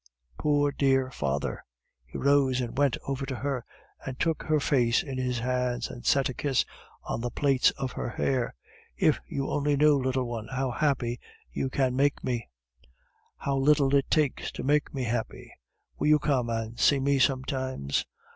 "Poor dear father!" He rose and went over to her, and took her face in his hands, and set a kiss on the plaits of hair. "If you only knew, little one, how happy you can make me how little it takes to make me happy! Will you come and see me sometimes?